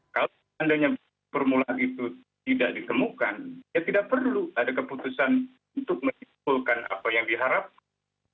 kalau seandainya formulaan itu tidak ditemukan ya tidak perlu ada keputusan untuk menyimpulkan apa yang diharapkan